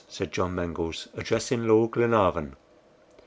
said John Mangles, addressing Lord Glenarvan.